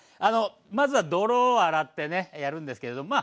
まずは泥を洗ってねやるんですけれどまあ